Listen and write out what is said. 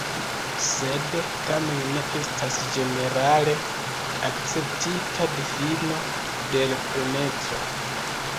Sed tamen ne estas ĝenerale akceptita difino de L-pleneco.